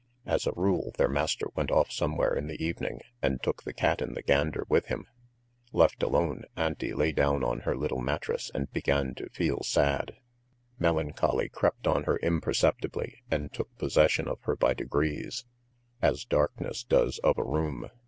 As a rule, their master went off somewhere in the evening and took the cat and the gander with him. Left alone, Auntie lay down on her little mattress and began to feel sad. Melancholy crept on her imperceptibly and took possession of her by degrees, as darkness does of a room.